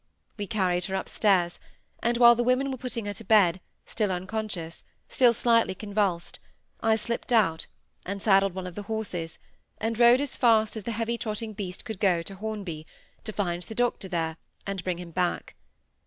We carried her upstairs, and while the women were putting her to bed, still unconscious, still slightly convulsed, I slipped out, and saddled one of the horses, and rode as fast as the heavy trotting beast could go, to Hornby, to find the doctor there, and bring him back.